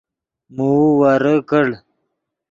موؤ ورے کڑ